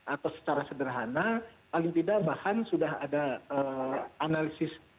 atau secara sederhana paling tidak bahan sudah ada analisis